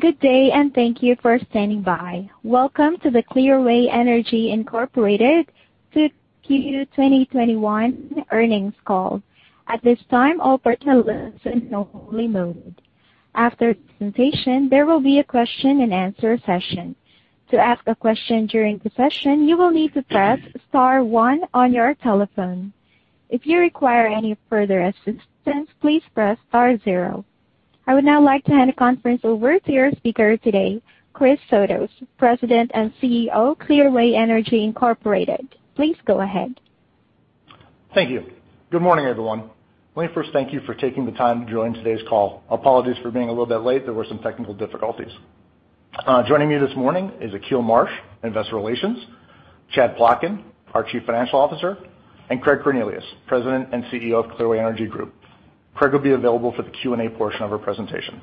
Good day, and thank you for standing by. Welcome to the Clearway Energy Incorporated 2Q 2021 earnings call. At this time, all participants are in listen-only mode. After the presentation, there will be a question and answer session. To ask a question during the session, you will need to press star one on your telephone. If you require any further assistance, please press star zero. I would now like to hand the conference over to your speaker today, Chris Sotos, President and CEO, Clearway Energy Incorporated. Please go ahead. Thank you. Good morning, everyone. Let me first thank you for taking the time to join today's call. Apologies for being a little bit late. There were some technical difficulties. Joining me this morning is Akil Marsh, investor relations, Chad Plotkin, our Chief Financial Officer, and Craig Cornelius, President and Chief Executive Officer of Clearway Energy Group. Craig will be available for the Q&A portion of our presentation.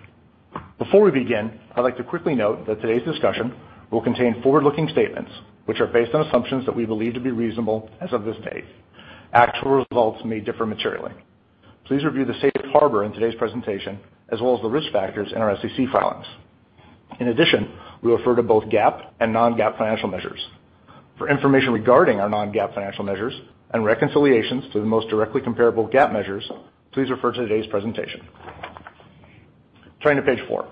Before we begin, I'd like to quickly note that today's discussion will contain forward-looking statements, which are based on assumptions that we believe to be reasonable as of this date. Actual results may differ materially. Please review the safe harbor in today's presentation, as well as the risk factors in our SEC filings. We refer to both GAAP and non-GAAP financial measures. For information regarding our non-GAAP financial measures and reconciliations to the most directly comparable GAAP measures, please refer to today's presentation. Turning to page four.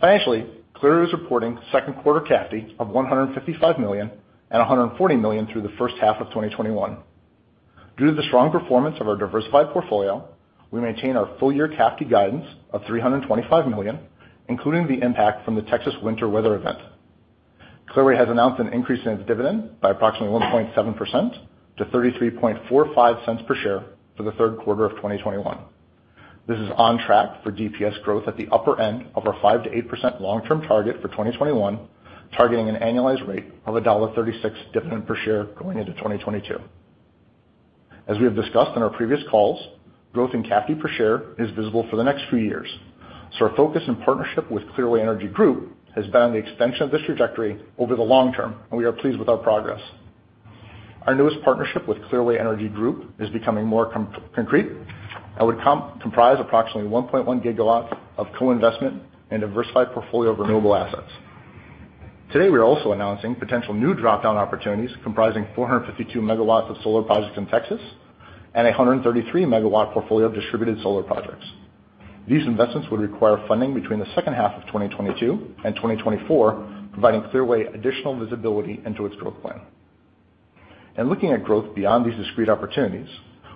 Financially, Clearway is reporting second quarter CAFD of $155 million and $140 million through the first half of 2021. Due to the strong performance of our diversified portfolio, we maintain our full year CAFD guidance of $325 million, including the impact from the Texas winter weather event. Clearway has announced an increase in its dividend by approximately 1.7% to $0.3345 per share for the third quarter of 2021. This is on track for DPS growth at the upper end of our 5%-8% long-term target for 2021, targeting an annualized rate of $1.36 dividend per share going into 2022. As we have discussed on our previous calls, growth in CAFD per share is visible for the next few years. Our focus and partnership with Clearway Energy Group has been on the extension of this trajectory over the long term, and we are pleased with our progress. Our newest partnership with Clearway Energy Group is becoming more concrete and would comprise approximately 1.1 GW of co-investment in a diversified portfolio of renewable assets. Today, we are also announcing potential new dropdown opportunities comprising 452 MW of solar projects in Texas and 133 MW portfolio of distributed solar projects. These investments would require funding between the second half of 2022 and 2024, providing Clearway additional visibility into its growth plan. In looking at growth beyond these discrete opportunities,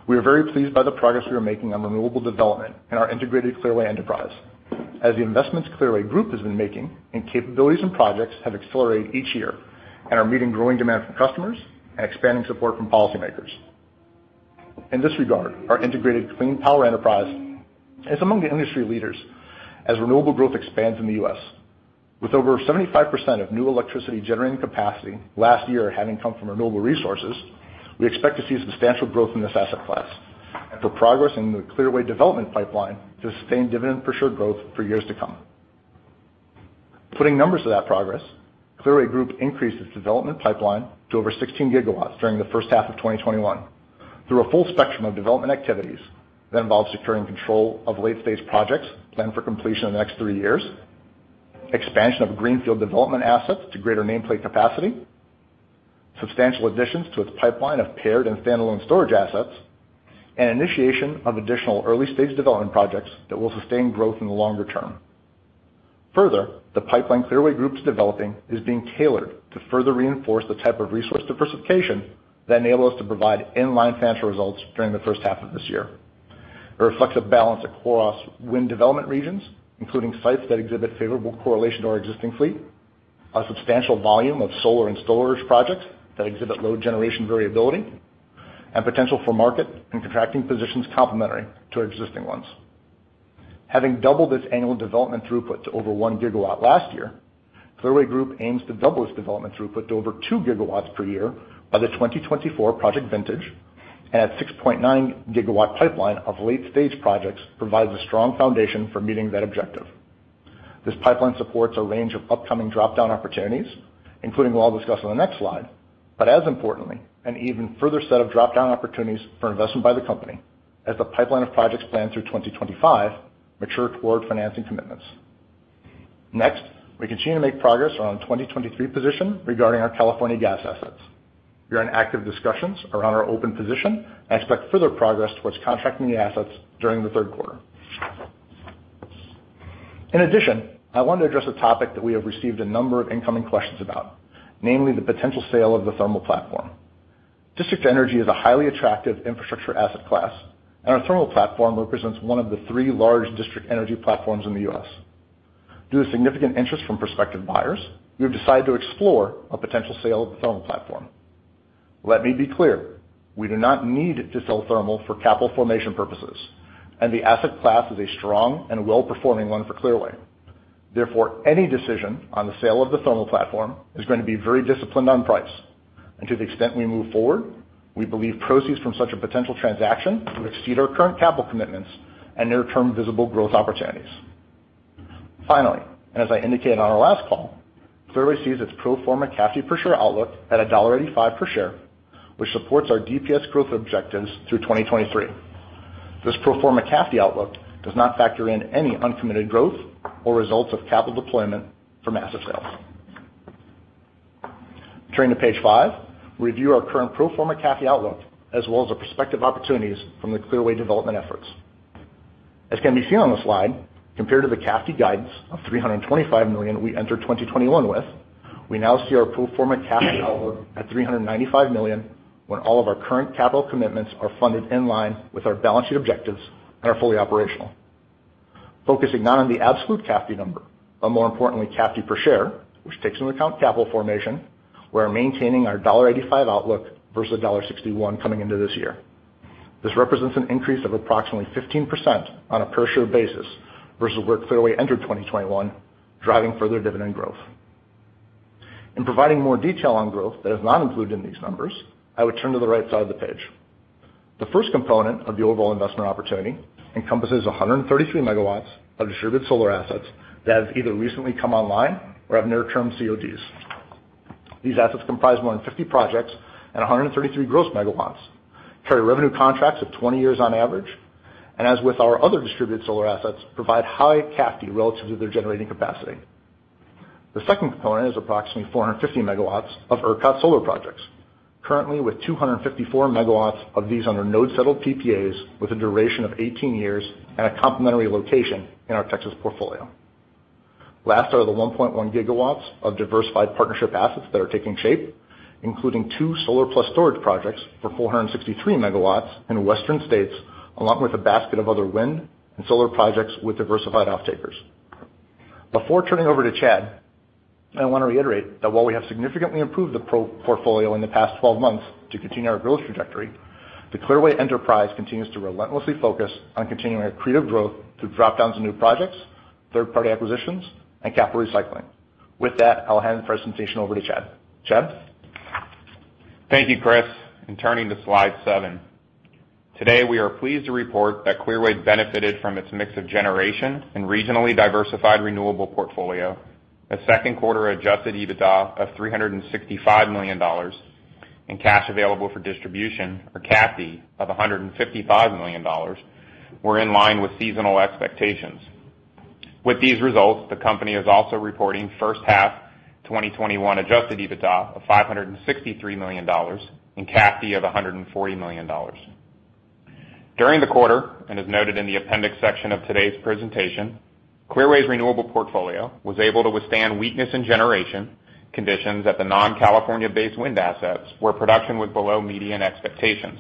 we are very pleased by the progress we are making on renewable development in our integrated Clearway enterprise, as the investments Clearway Group has been making in capabilities and projects have accelerated each year and are meeting growing demand from customers and expanding support from policymakers. In this regard, our integrated clean power enterprise is among the industry leaders as renewable growth expands in the U.S. With over 75% of new electricity-generating capacity last year having come from renewable resources, we expect to see substantial growth in this asset class and for progress in the Clearway development pipeline to sustain dividend per share growth for years to come. Putting numbers to that progress, Clearway Group increased its development pipeline to over 16 GW during the first half of 2021 through a full spectrum of development activities that involve securing control of late-stage projects planned for completion in the next three years, expansion of greenfield development assets to greater nameplate capacity, substantial additions to its pipeline of paired and standalone storage assets, and initiation of additional early-stage development projects that will sustain growth in the longer term. Further, the pipeline Clearway Group's developing is being tailored to further reinforce the type of resource diversification that enabled us to provide in-line financial results during the first half of this year. It reflects a balance across wind development regions, including sites that exhibit favorable correlation to our existing fleet, a substantial volume of solar and storage projects that exhibit low generation variability, and potential for market and contracting positions complementary to our existing ones. Having doubled its annual development throughput to over 1 GW last year, Clearway Group aims to double its development throughput to over 2 GW per year by the 2024 project vintage, and its 6.9 GW pipeline of late-stage projects provides a strong foundation for meeting that objective. This pipeline supports a range of upcoming dropdown opportunities, including what I'll discuss on the next slide, but as importantly, an even further set of dropdown opportunities for investment by the company as the pipeline of projects planned through 2025 mature toward financing commitments. Next, we continue to make progress on our 2023 position regarding our California gas assets. We are in active discussions around our open position and expect further progress towards contracting the assets during the third quarter. I want to address a topic that we have received a number of incoming questions about, namely the potential sale of the thermal platform. District energy is a highly attractive infrastructure asset class, and our thermal platform represents one of the three large district energy platforms in the U.S. Due to significant interest from prospective buyers, we have decided to explore a potential sale of the thermal platform. Let me be clear, we do not need to sell thermal for capital formation purposes, and the asset class is a strong and well-performing one for Clearway. Any decision on the sale of the thermal platform is going to be very disciplined on price. To the extent we move forward, we believe proceeds from such a potential transaction would exceed our current capital commitments and near-term visible growth opportunities. Finally, as I indicated on our last call, Clearway sees its pro forma CAFD per share outlook at $1.85 per share, which supports our DPS growth objectives through 2023. This pro forma CAFD outlook does not factor in any uncommitted growth or results of capital deployment from asset sales. Turning to page five, we review our current pro forma CAFD outlook, as well as the prospective opportunities from the Clearway development efforts. As can be seen on the slide, compared to the CAFD guidance of $325 million we entered 2021 with, we now see our pro forma CAFD outlook at $395 million, when all of our current capital commitments are funded in line with our balance sheet objectives and are fully operational. Focusing not on the absolute CAFD number, but more importantly, CAFD per share, which takes into account capital formation, we're maintaining our $1.85 outlook versus $1.61 coming into this year. This represents an increase of approximately 15% on a per-share basis versus where Clearway entered 2021, driving further dividend growth. In providing more detail on growth that is not included in these numbers, I would turn to the right side of the page. The first component of the overall investment opportunity encompasses 133 MW of distributed solar assets that have either recently come online or have near-term CODs. These assets comprise more than 50 projects and 133 MW gross, carry revenue contracts of 20 years on average, and as with our other distributed solar assets, provide high CAFD relative to their generating capacity. The second component is approximately 450 MW of ERCOT solar projects, currently with 254 MW of these under node-settled PPAs, with a duration of 18 years and a complementary location in our Texas portfolio. Last are the 1.1 GW of diversified partnership assets that are taking shape, including two solar plus storage projects for 463 MW in Western states, along with a basket of other wind and solar projects with diversified off-takers. Before turning over to Chad, I want to reiterate that while we have significantly improved the portfolio in the past 12 months to continue our growth trajectory, the Clearway enterprise continues to relentlessly focus on continuing our creative growth through drop-downs and new projects, third-party acquisitions, and capital recycling. With that, I'll hand the presentation over to Chad. Chad? Thank you, Chris. Turning to slide seven. Today, we are pleased to report that Clearway benefited from its mix of generation and regionally diversified renewable portfolio, a second quarter adjusted EBITDA of $365 million, and cash available for distribution, or CAFD, of $155 million were in line with seasonal expectations. With these results, the company is also reporting first half 2021 adjusted EBITDA of $563 million and CAFD of $140 million. During the quarter, and as noted in the appendix section of today's presentation, Clearway's renewable portfolio was able to withstand weakness in generation conditions at the non-California-based wind assets, where production was below median expectations.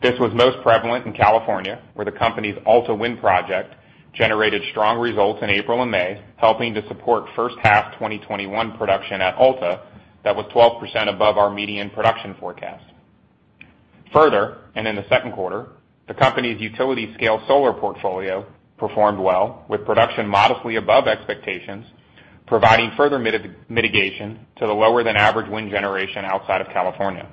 This was most prevalent in California, where the company's Alta Wind Project generated strong results in April and May, helping to support first half 2021 production at Alta that was 12% above our median production forecast. Further, in the second quarter, the company's utility scale solar portfolio performed well, with production modestly above expectations, providing further mitigation to the lower than average wind generation outside of California.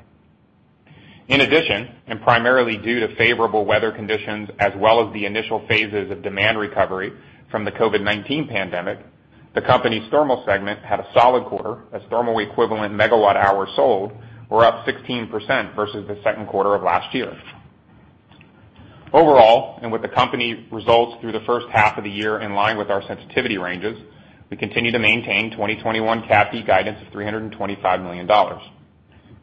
In addition, primarily due to favorable weather conditions, as well as the initial phases of demand recovery from the COVID-19 pandemic, the company's thermal segment had a solid quarter, as thermal equivalent megawatt hours sold were up 16% versus the second quarter of last year. Overall, with the company results through the first half of the year in line with our sensitivity ranges, we continue to maintain 2021 CAFD guidance of $325 million.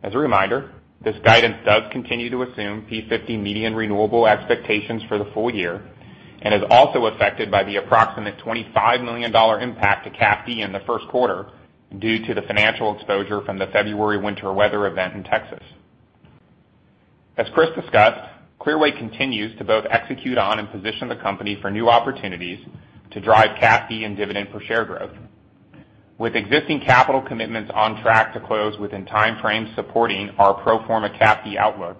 As a reminder, this guidance does continue to assume P50 median renewable expectations for the full year and is also affected by the approximate $25 million impact to CAFD in the first quarter due to the financial exposure from the February winter weather event in Texas. As Chris discussed, Clearway continues to both execute on and position the company for new opportunities to drive CAFD and dividend per share growth. With existing capital commitments on track to close within time frames supporting our pro forma CAFD outlook,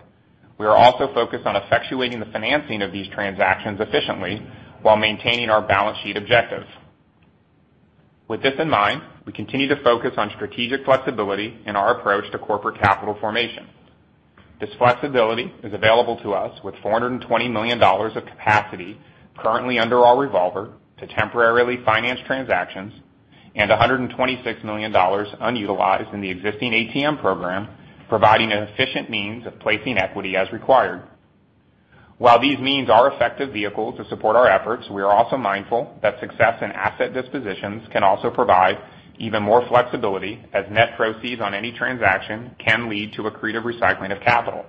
we are also focused on effectuating the financing of these transactions efficiently while maintaining our balance sheet objectives. With this in mind, we continue to focus on strategic flexibility in our approach to corporate capital formation. This flexibility is available to us with $420 million of capacity currently under our revolver to temporarily finance transactions and $126 million unutilized in the existing ATM program, providing an efficient means of placing equity as required. While these means are effective vehicles to support our efforts, we are also mindful that success in asset dispositions can also provide even more flexibility as net proceeds on any transaction can lead to accretive recycling of capital.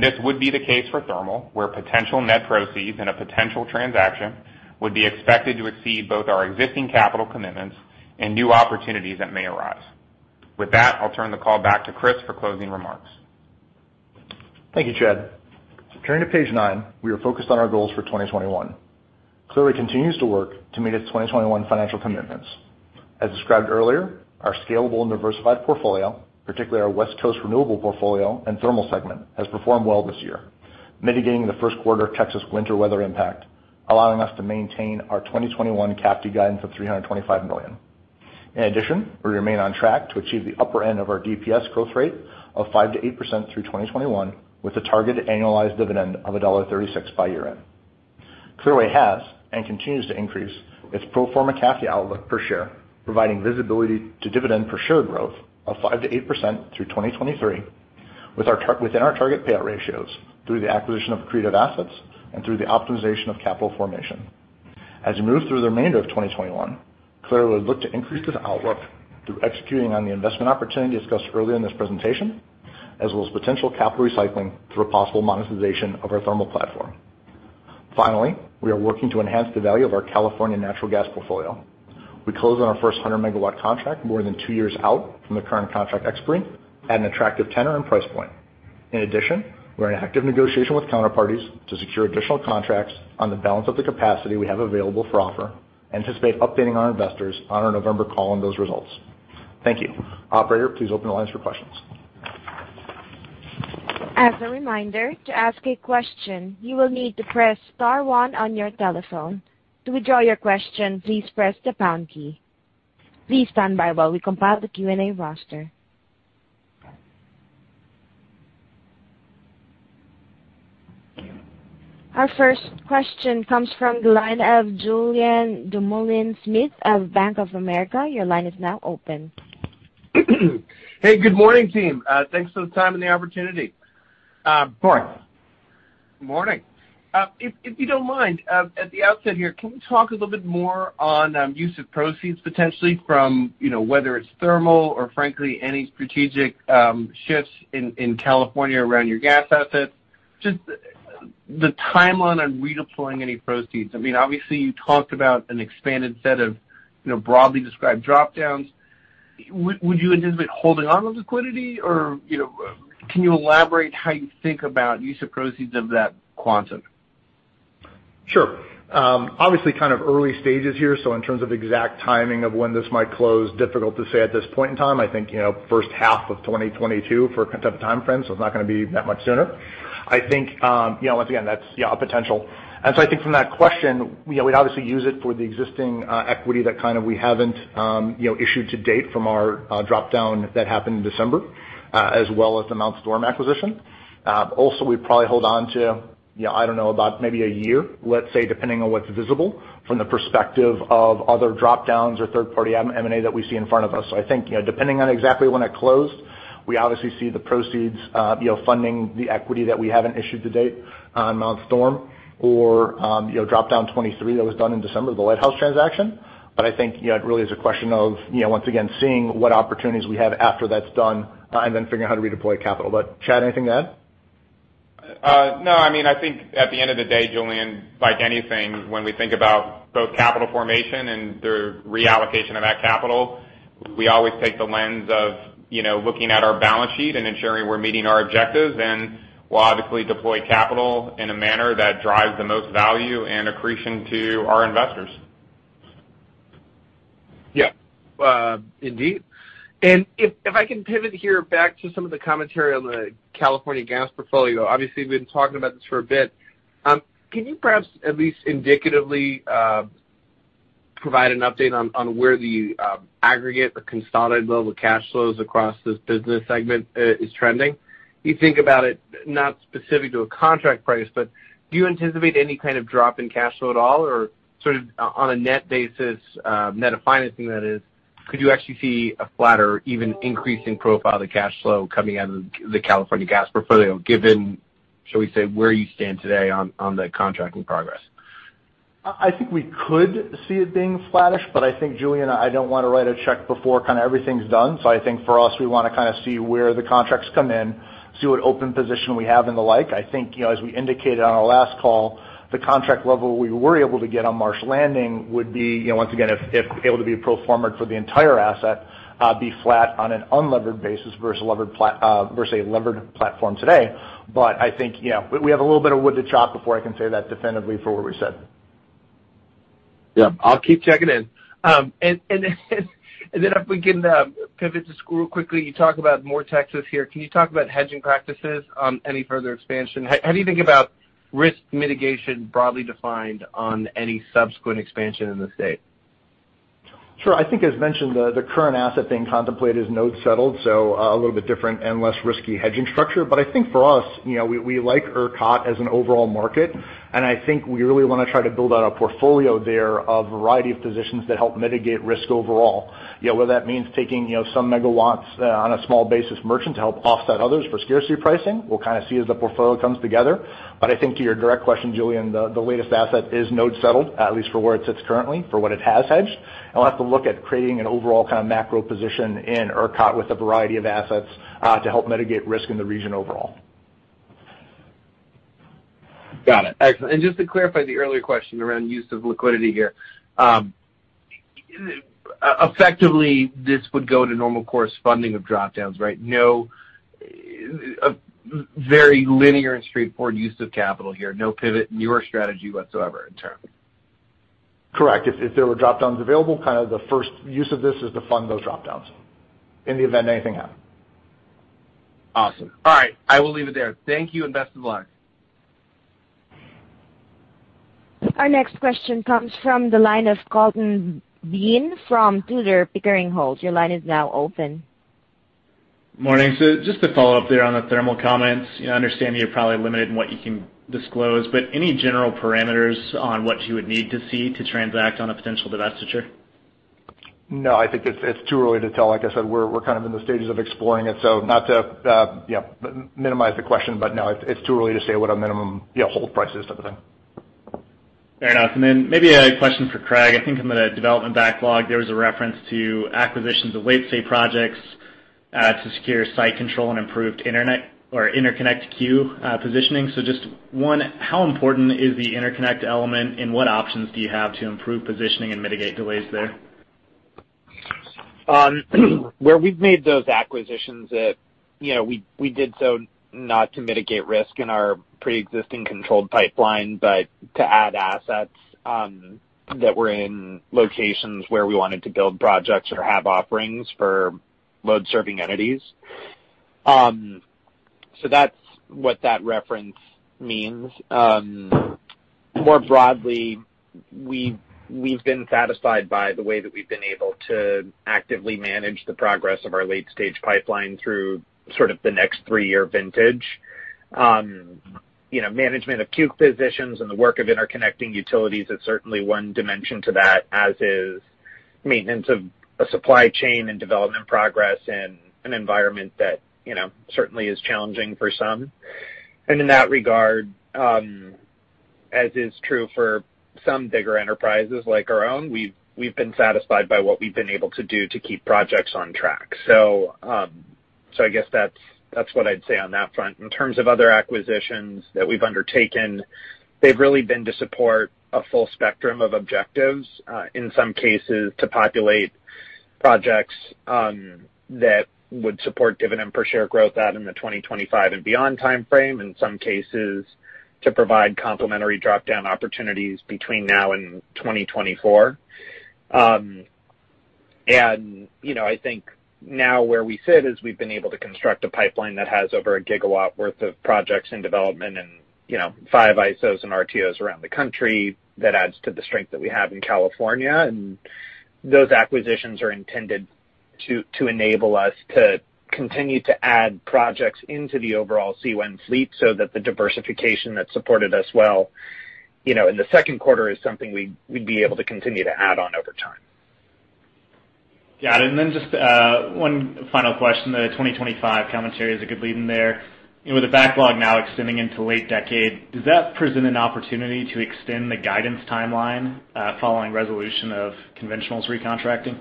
This would be the case for thermal, where potential net proceeds in a potential transaction would be expected to exceed both our existing capital commitments and new opportunities that may arise. With that, I'll turn the call back to Chris for closing remarks. Thank you, Chad. Turning to page nine. We are focused on our goals for 2021. Clearway continues to work to meet its 2021 financial commitments. As described earlier, our scalable and diversified portfolio, particularly our West Coast renewable portfolio and thermal segment, has performed well this year, mitigating the first quarter Texas winter weather impact, allowing us to maintain our 2021 CAFD guidance of $325 million. In addition, we remain on track to achieve the upper end of our DPS growth rate of 5%-8% through 2021 with a targeted annualized dividend of $1.36 by year-end. Clearway has and continues to increase its pro forma CAFD outlook per share, providing visibility to dividend per share growth of 5%-8% through 2023 within our target payout ratios through the acquisition of accretive assets and through the optimization of capital formation. As we move through the remainder of 2021, Clearway would look to increase this outlook through executing on the investment opportunity discussed earlier in this presentation, as well as potential capital recycling through a possible monetization of our thermal platform. Finally, we are working to enhance the value of our California natural gas portfolio. We closed on our first 100 MW contract more than two years out from the current contract expiry at an attractive tenor and price point. In addition, we're in active negotiation with counterparties to secure additional contracts on the balance of the capacity we have available for offer, anticipate updating our investors on our November call on those results. Thank you. Operator, please open the lines for questions. Our first question comes from the line of Julien Dumoulin-Smith of Bank of America. Your line is now open. Hey, good morning, team. Thanks for the time and the opportunity. Morning. Morning. If you don't mind, at the outset here, can we talk a little bit more on use of proceeds potentially from, whether it's thermal or frankly any strategic shifts in California around your gas assets, just the timeline on redeploying any proceeds? Obviously, you talked about an expanded set of broadly described drop-downs. Would you anticipate holding onto liquidity, or can you elaborate how you think about use of proceeds of that quantum? Sure. Obviously, kind of early stages here, in terms of exact timing of when this might close, difficult to say at this point in time. I think first half of 2022 for time frame, it's not going to be that much sooner. I think, once again, that's a potential. I think from that question, we'd obviously use it for the existing equity that we haven't issued to date from our drop-down that happened in December, as well as the Mount Storm acquisition. We'd probably hold on to, I don't know about maybe a year, let's say, depending on what's visible from the perspective of other drop-downs or third-party M&A that we see in front of us. I think, depending on exactly when it closed, we obviously see the proceeds funding the equity that we haven't issued to date on Mount Storm or drop-down 2023 that was done in December, the Lighthouse transaction. I think it really is a question of, once again, seeing what opportunities we have after that's done and then figuring how to redeploy capital. Chad, anything to add? No. I think at the end of the day, Julien, like anything, when we think about both capital formation and the reallocation of that capital, we always take the lens of looking at our balance sheet and ensuring we're meeting our objectives, and we'll obviously deploy capital in a manner that drives the most value and accretion to our investors. Yeah. Indeed. If I can pivot here back to some of the commentary on the California gas portfolio. Obviously, we've been talking about this for a bit. Can you perhaps at least indicatively provide an update on where the aggregate or consolidated level cash flows across this business segment is trending? You think about it, not specific to a contract price, but do you anticipate any kind of drop in cash flow at all, or sort of on a net basis, net of financing that is, could you actually see a flatter, even increasing profile of the cash flow coming out of the California gas portfolio, given, shall we say, where you stand today on the contracting progress? I think we could see it being flattish, I think, Julien, I don't want to write a check before everything's done. I think for us, we want to see where the contracts come in, see what open position we have and the like. I think, as we indicated on our last call, the contract level we were able to get on Marsh Landing would be, once again, if able to be pro forma-ed for the entire asset, be flat on an unlevered basis versus a levered platform today. I think we have a little bit of wood to chop before I can say that definitively for where we sit. Yeah. I'll keep checking in. If we can pivot just quickly, you talk about more Texas here. Can you talk about hedging practices, any further expansion? How do you think about risk mitigation, broadly defined, on any subsequent expansion in the state? Sure. I think as mentioned, the current asset being contemplated is node settled, so a little bit different and less risky hedging structure. I think for us, we like ERCOT as an overall market, and I think we really want to try to build out a portfolio there of a variety of positions that help mitigate risk overall. Whether that means taking some megawatts on a small basis merchant to help offset others for scarcity pricing, we'll kind of see as the portfolio comes together. I think to your direct question, Julien, the latest asset is node settled, at least for where it sits currently for what it has hedged, and we'll have to look at creating an overall kind of macro position in ERCOT with a variety of assets to help mitigate risk in the region overall. Got it. Excellent. Just to clarify the earlier question around use of liquidity here. Effectively, this would go to normal course funding of drop-downs, right? A very linear and straightforward use of capital here. No pivot in your strategy whatsoever. Correct. If there were drop-downs available, kind of the first use of this is to fund those drop-downs in the event anything happened. Awesome. All right. I will leave it there. Thank you, and best of luck. Our next question comes from the line of Colton Bean from Tudor, Pickering, Holt. Your line is now open. Morning. Just to follow up there on the thermal comments, I understand you're probably limited in what you can disclose, but any general parameters on what you would need to see to transact on a potential divestiture? No, I think it's too early to tell. Like I said, we're kind of in the stages of exploring it, so not to minimize the question, but no, it's too early to say what a minimum hold price is type of thing. Fair enough. Maybe a question for Craig. I think in the development backlog, there was a reference to acquisitions of late stage projects to secure site control and improved interconnect queue positioning. One, how important is the interconnect element, and what options do you have to improve positioning and mitigate delays there? Where we've made those acquisitions, we did so not to mitigate risk in our preexisting controlled pipeline, but to add assets that were in locations where we wanted to build projects or have offerings for load-serving entities. That's what that reference means. More broadly, we've been satisfied by the way that we've been able to actively manage the progress of our late-stage pipeline through sort of the next three-year vintage. Management of queue positions and the work of interconnecting utilities is certainly one dimension to that, as is maintenance of a supply chain and development progress in an environment that certainly is challenging for some. In that regard, as is true for some bigger enterprises like our own, we've been satisfied by what we've been able to do to keep projects on track. I guess that's what I'd say on that front. In terms of other acquisitions that we've undertaken, they've really been to support a full spectrum of objectives. In some cases, to populate projects that would support dividend per share growth out in the 2025 and beyond timeframe, in some cases, to provide complementary drop-down opportunities between now and 2024. I think now where we sit is we've been able to construct a pipeline that has over 1 GW worth of projects in development and five ISOs and RTOs around the country that adds to the strength that we have in California. Those acquisitions are intended to enable us to continue to add projects into the overall CEI fleet so that the diversification that supported us well in the second quarter is something we'd be able to continue to add on over time. Got it. Just one final question. The 2025 commentary is a good lead in there. With the backlog now extending into late decade, does that present an opportunity to extend the guidance timeline following resolution of conventionals recontracting?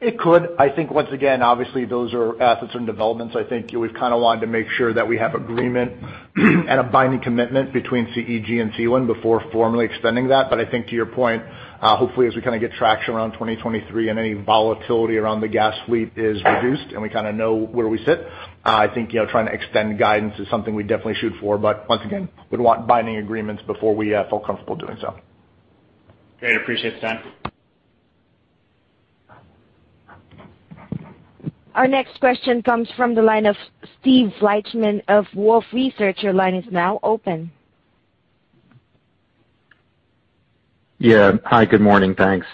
It could. I think, once again, obviously, those are assets and developments. I think we've kind of wanted to make sure that we have agreement and a binding commitment between CEG and CEI before formally extending that. I think to your point, hopefully as we kind of get traction around 2023 and any volatility around the gas fleet is reduced and we kind of know where we sit, I think trying to extend guidance is something we definitely shoot for. Once again, we'd want binding agreements before we feel comfortable doing so. Great. Appreciate the time. Our next question comes from the line of Steve Fleishman of Wolfe Research. Yeah. Hi, good morning, thanks.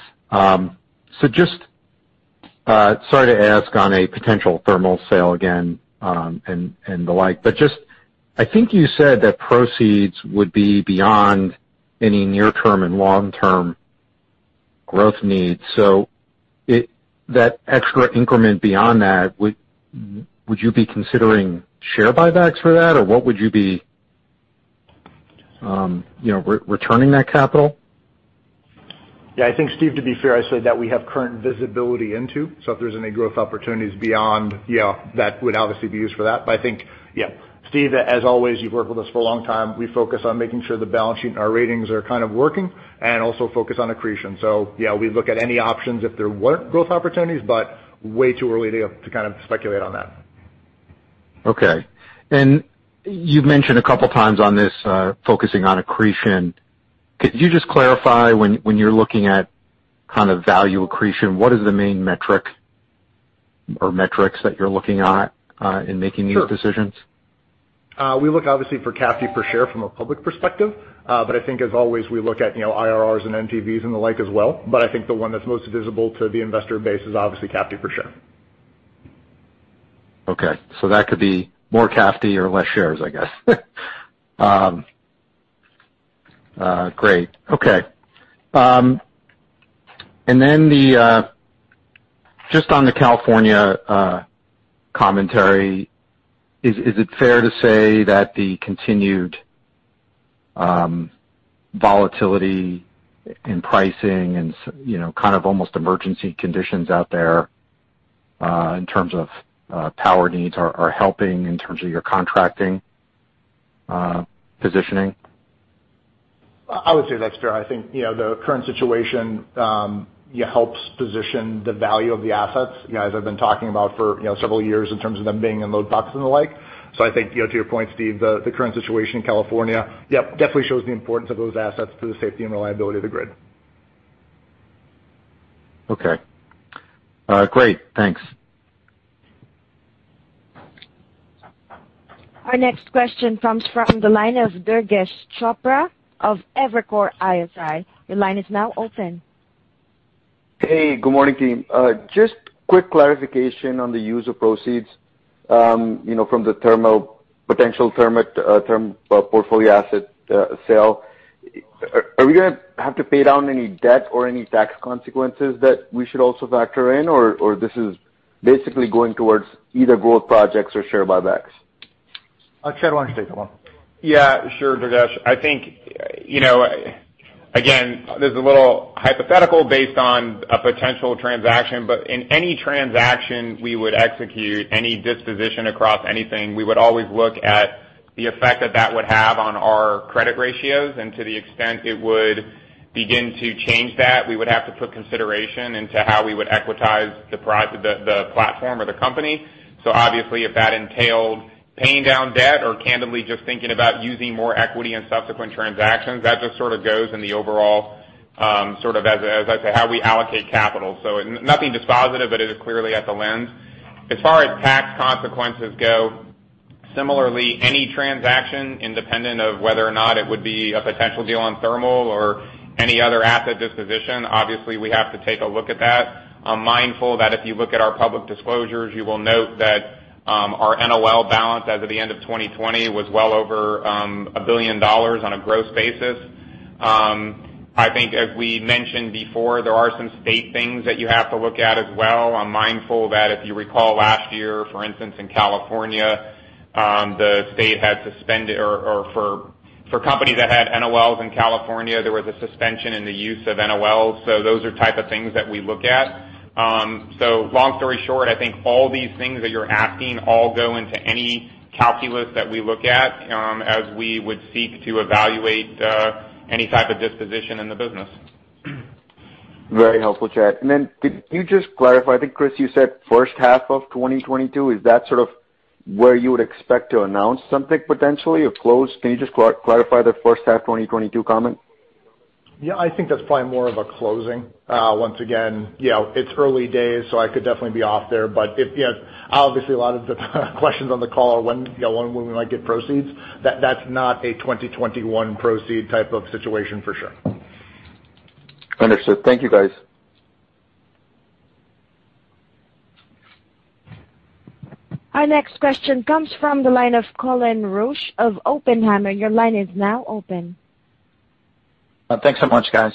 Just sorry to ask on a potential thermal sale again and the like, but just I think you said that proceeds would be beyond any near-term and long-term growth needs. That extra increment beyond that, would you be considering share buybacks for that, or what would you be returning that capital? Yeah, I think, Steve, to be fair, I said that we have current visibility into, if there's any growth opportunities beyond, that would obviously be used for that. I think, Steve, as always, you've worked with us for a long time. We focus on making sure the balance sheet and our ratings are kind of working, and also focus on accretion. Yeah, we'd look at any options if there weren't growth opportunities, but way too early to kind of speculate on that. Okay. You've mentioned a couple of times on this, focusing on accretion. Could you just clarify when you're looking at kind of value accretion, what is the main metric or metrics that you're looking at in making these decisions? We look obviously for CAFD per share from a public perspective. I think as always, we look at IRR and NPVs and the like as well. I think the one that's most visible to the investor base is obviously CAFD per share. That could be more CAFD or less shares, I guess. Great. Okay. Just on the California commentary, is it fair to say that the continued volatility in pricing and kind of almost emergency conditions out there in terms of power needs are helping in terms of your contracting positioning? I would say that's fair. I think the current situation helps position the value of the assets, as I've been talking about for several years in terms of them being in load pockets and the like. I think to your point, Steve, the current situation in California, yep, definitely shows the importance of those assets to the safety and reliability of the grid. Okay. Great. Thanks. Our next question comes from the line of Durgesh Chopra of Evercore ISI. Your line is now open. Hey, good morning, team. Just quick clarification on the use of proceeds from the potential thermal portfolio asset sale. Are we going to have to pay down any debt or any tax consequences that we should also factor in? This is basically going towards either growth projects or share buybacks? Chad, why don't you take that one? Yeah, sure, Durgesh. I think, again, this is a little hypothetical based on a potential transaction, but in any transaction we would execute, any disposition across anything, we would always look at the effect that that would have on our credit ratios. To the extent it would begin to change that, we would have to put consideration into how we would equitize the platform or the company. Obviously, if that entailed paying down debt or candidly just thinking about using more equity in subsequent transactions, that just sort of goes in the overall, as I say, how we allocate capital. Nothing dispositive, but it is clearly at the lens. As far as tax consequences go, similarly, any transaction, independent of whether or not it would be a potential deal on thermal or any other asset disposition, obviously we have to take a look at that. I'm mindful that if you look at our public disclosures, you will note that our NOL balance as of the end of 2020 was well over $1 billion on a gross basis. I think as we mentioned before, there are some state things that you have to look at as well. I'm mindful that if you recall last year, for instance, in California, for companies that had NOLs in California, there was a suspension in the use of NOLs. Those are type of things that we look at. Long story short, I think all these things that you're asking all go into any calculus that we look at as we would seek to evaluate any type of disposition in the business. Very helpful, Chad. Could you just clarify, I think, Chris, you said first half of 2022. Is that sort of where you would expect to announce something potentially or close? Can you just clarify the first half 2022 comment? Yeah, I think that's probably more of a closing. Once again, it's early days. I could definitely be off there. Obviously, a lot of the questions on the call are when we might get proceeds. That's not a 2021 proceed type of situation for sure. Understood. Thank you, guys. Our next question comes from the line of Colin Rusch of Oppenheimer. Your line is now open. Thanks so much, guys.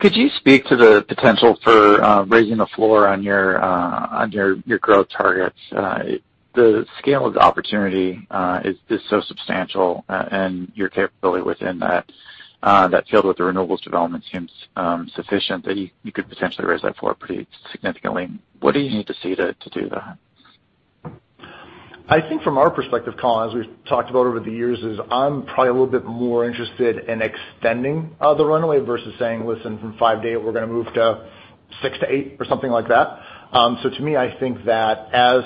Could you speak to the potential for raising the floor on your growth targets? The scale of the opportunity is so substantial, and your capability within that field with the renewables development seems sufficient that you could potentially raise that floor pretty significantly. What do you need to see to do that? I think from our perspective, Colin, as we've talked about over the years, is I'm probably a little bit more interested in extending the runway versus saying, listen, from 5%-8%, we're going to move to 6%-8%, or something like that. To me, I think that as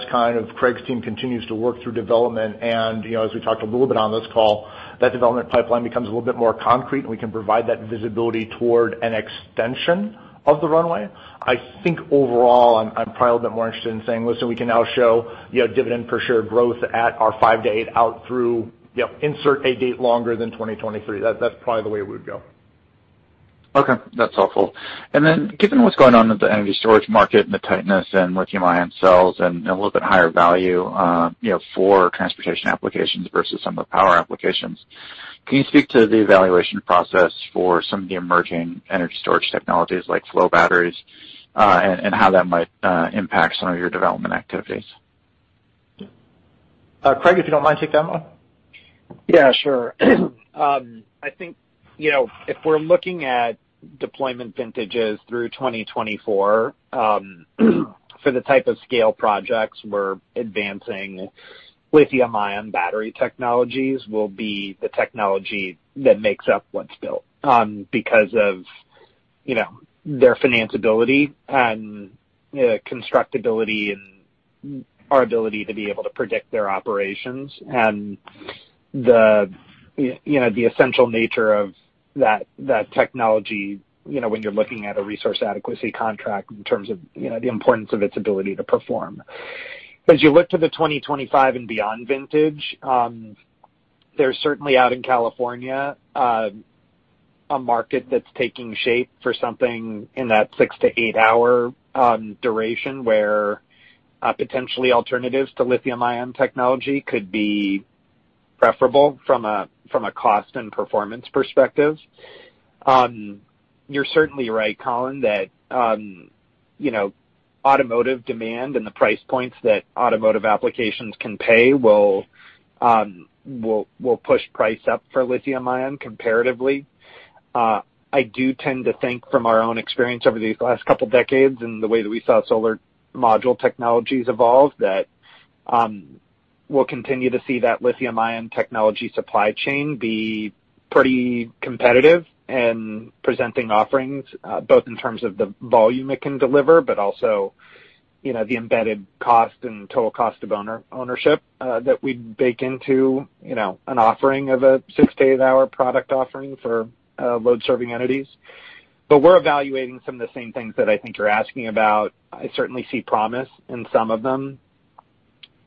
Craig's team continues to work through development and, as we talked a little bit on this call, that development pipeline becomes a little bit more concrete and we can provide that visibility toward an extension of the runway. I think overall, I'm probably a bit more interested in saying, listen, we can now show dividend per share growth at our 5%-8% out through insert a date longer than 2023. That's probably the way it would go. Okay, that's helpful. Given what's going on with the energy storage market and the tightness and lithium-ion cells and a little bit higher value for transportation applications versus some of the power applications, can you speak to the evaluation process for some of the emerging energy storage technologies like flow batteries, and how that might impact some of your development activities? Craig, if you don't mind, take that one. Yeah, sure. I think if we're looking at deployment vintages through 2024 for the type of scale projects we're advancing, lithium-ion battery technologies will be the technology that makes up what's built because of their financability and constructability and our ability to be able to predict their operations and the essential nature of that technology when you're looking at a resource adequacy contract in terms of the importance of its ability to perform. As you look to the 2025 and beyond vintage, there's certainly out in California a market that's taking shape for something in that 6-hour to 8-hour duration where potentially alternatives to lithium-ion technology could be preferable from a cost and performance perspective. You're certainly right, Colin, that automotive demand and the price points that automotive applications can pay will push price up for lithium-ion comparatively. I do tend to think from our own experience over these last couple of decades and the way that we saw solar module technologies evolve, that we'll continue to see that lithium-ion technology supply chain be pretty competitive in presenting offerings, both in terms of the volume it can deliver, but also the embedded cost and total cost of ownership that we'd bake into an offering of a 6-hour to 8-hour product offering for load-serving entities. We're evaluating some of the same things that I think you're asking about. I certainly see promise in some of them.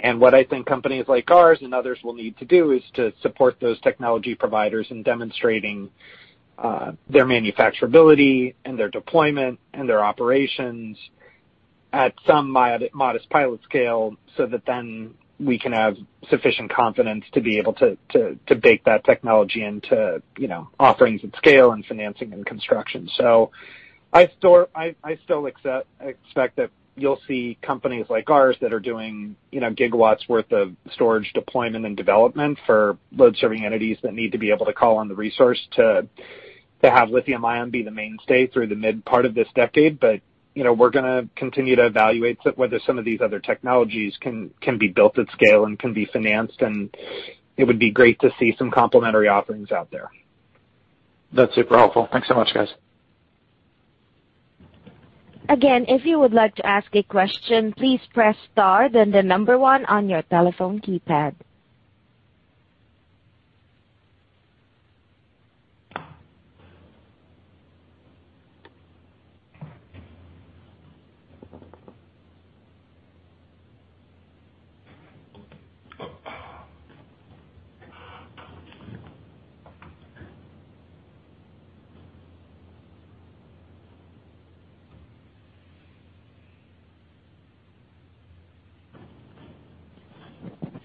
What I think companies like ours and others will need to do is to support those technology providers in demonstrating their manufacturability and their deployment and their operations at some modest pilot scale, so that then we can have sufficient confidence to be able to bake that technology into offerings at scale and financing and construction. I still expect that you'll see companies like ours that are doing gigawatts worth of storage deployment and development for load serving entities that need to be able to call on the resource to have lithium-ion be the mainstay through the mid-part of this decade. We're going to continue to evaluate whether some of these other technologies can be built at scale and can be financed, and it would be great to see some complementary offerings out there. That's super helpful. Thanks so much, guys.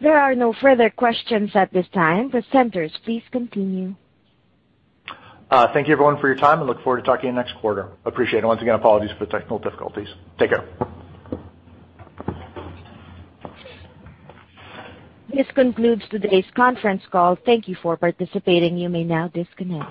There are no further questions at this time. Presenters, please continue. Thank you everyone for your time and look forward to talking to you next quarter. Appreciate it. Once again, apologies for the technical difficulties. Take care. This concludes today's conference call. Thank Thank you for participating. You may now disconnect.